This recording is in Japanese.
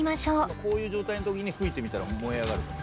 こういう状態の時に吹いてみたら燃え上がるから。